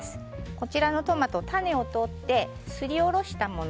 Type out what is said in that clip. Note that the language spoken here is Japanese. こちらのトマトは種を取ってすりおろしたもの。